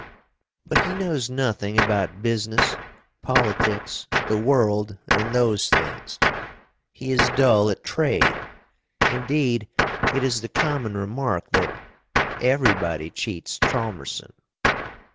But he knows nothing about business, politics, the world, and those things. He is dull at trade indeed, it is the common remark that "Everybody cheats Chalmerson."